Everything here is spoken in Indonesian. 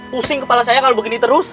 pusing kepala saya kalau begini terus